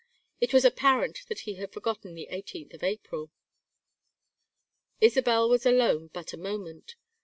It was apparent that he had forgotten the 18th of April. Isabel was alone but a moment.